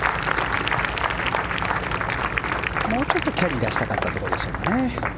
もうちょっとキャリー出したかったところですよね。